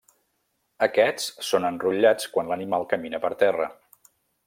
Aquests són enrotllats quan l'animal camina per terra.